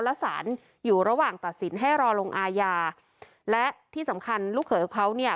และสารอยู่ระหว่างตัดสินให้รอลงอาญาและที่สำคัญลูกเขยของเขาเนี่ย